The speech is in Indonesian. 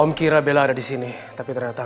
om kira bella ada disini tapi ternyaku enggak